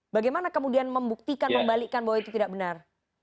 bagaimana kemudian membuktikan membalikkan bahwa itu tidak benar